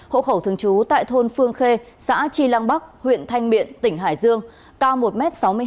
hộ khẩu thường trú tại thôn phương khê xã tri lăng bắc huyện thanh miện tỉnh hải dương cao một m sáu mươi năm